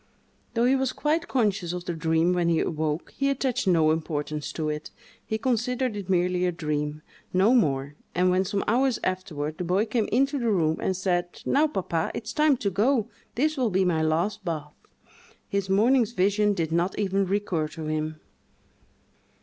Though he was quite conscious of the dream when he awoke, he attached no importance to it; he considered it merely a dream—no more; and when, some hours afterward, the boy came into the room, and said, "Now, papa, it's time to go—this will be my last bath"—his morning's vision did not even recur to him.